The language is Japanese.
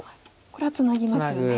これはツナぎますよね。